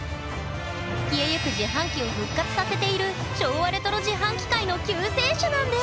消えゆく自販機を復活させている昭和レトロ自販機界の救世主なんです！